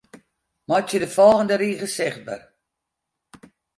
Meitsje de folgjende rige sichtber.